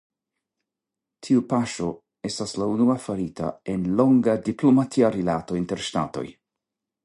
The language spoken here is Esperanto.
Tiu paŝo estas la unua farita en longa diplomatia rilato inter ŝtatoj.